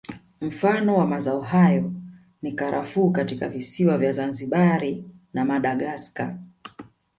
Mfano wa mazao hayo ni Karafuu katika visiwa vya Zanzibari na Madagascar